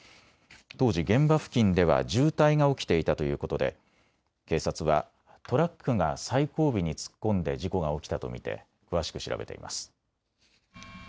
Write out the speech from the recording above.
当時現場付近では渋滞が起きていたということで警察はトラックが最後尾に突っ込んで事故が起きたと見て詳しく調べています。